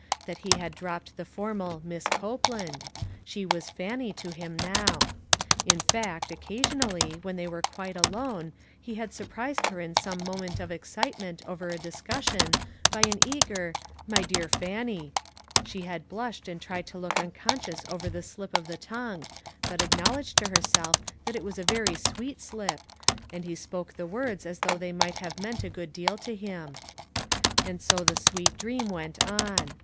That he had dropped the formal " Miss Copeland "; she was " Fan nie " to him now. In fact, occasionally, when they were quite alone, he had sur prised her in some moment of excitement over a discussion, by an eager " My dear Fannie," she had blushed, and tried to look unconscious over this slip of the tongue, but acknowledged to herself that it was a very sweet slip, and he spoke the words as though they might have meant a good deal to him. And so the sweet dream went on.